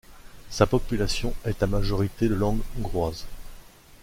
Sa population est à majorité de langue hongroise.